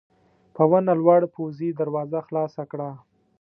په ونه لوړ پوځي دروازه خلاصه کړه.